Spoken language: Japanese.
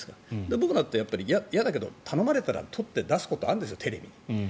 僕だって嫌だけど頼まれたら撮って出すことはあるんですよ、テレビに。